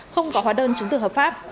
không có hóa đơn chứng tự hợp pháp